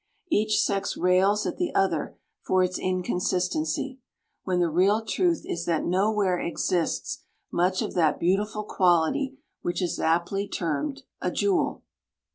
Each sex rails at the other for its inconsistency, when the real truth is that nowhere exists much of that beautiful quality which is aptly termed a "jewel."